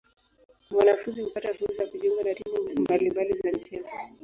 Wanafunzi hupata fursa ya kujiunga na timu mbali mbali za michezo.